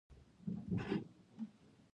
افغانستان د زردالو د ډولونو له پلوه متنوع دی.